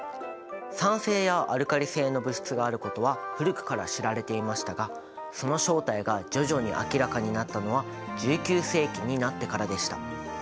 酸性やアルカリ性の物質があることは古くから知られていましたがその正体が徐々に明らかになったのは１９世紀になってからでした。